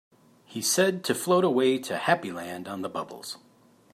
He said to float away to Happy Land on the bubbles.